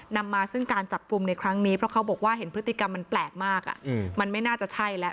นำมาซึ่งการจับกลุ่มในครั้งนี้เพราะเขาบอกว่าเห็นพฤติกรรมมันแปลกมากมันไม่น่าจะใช่แล้ว